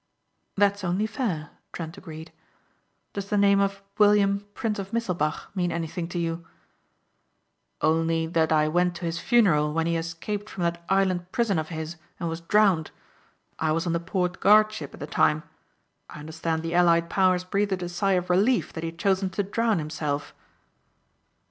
"That's only fair," Trent agreed. "Does the name of William, Prince of Misselbach, mean anything to you?" "Only that I went to his funeral when he escaped from that island prison of his and was drowned. I was on the port guard ship at the time. I understand the allied powers breathed a sigh of relief that he had chosen to drown himself."